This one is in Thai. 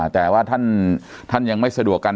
แต่ว่าท่านยังไม่สะดวกกัน